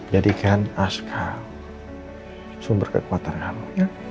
jadikan aska sumber kekuatan kami